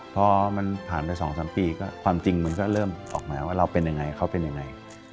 พอมันผ่านไป๒๓ปีก็ความจริงมันก็เริ่มออกมาว่าเราเป็นยังไงเขาเป็นยังไง